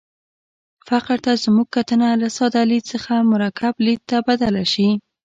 فقر ته زموږ کتنه له ساده لید څخه مرکب لید ته بدله شي.